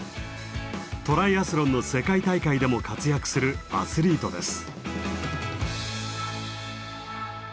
トライアスロンの世界大会でも活躍するアスリートです。